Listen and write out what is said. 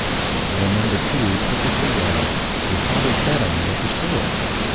I remember, too, perfectly well, your father's bet on me at the store.